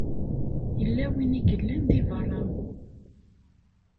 Yella win i yellan di beṛṛa.